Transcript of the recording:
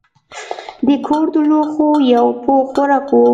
د کور د لوښو یو پوښ ورک و.